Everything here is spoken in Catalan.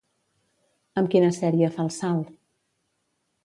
Amb quina sèrie fa el salt?